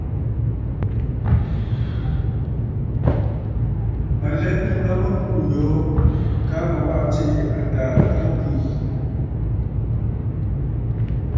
Mə̀ lɛ miʼì ma mɨ burə̀ yoo kaa mə waʼà tsiʼì àtàà fɨlo bwiî.